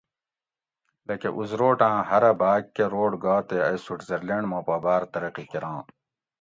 لکہ اُزروٹاۤں ہرہ بھاگ کہ روڈ گا تے ائ سویٔٹزر لینڈ ما پا باۤر ترقی کراں